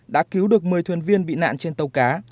đã cứu được một mươi thuyền viên bị nạn trên tàu cá